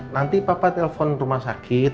nanti papa telepon rumah sakit